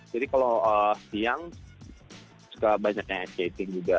jadi kalau siang suka banyaknya ice skating juga